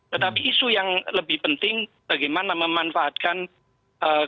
tetapi isu yang lebih penting bagaimana memanfaatkan keberadaan rangtai pasok